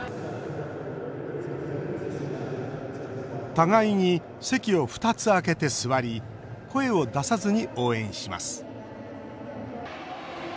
互いに席を２つ空けて座り声を出さずに応援します。